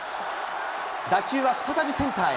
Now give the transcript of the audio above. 打球は再びセンターへ。